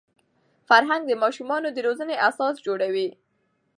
فرهنګ د ماشومانو د روزني اساس جوړوي.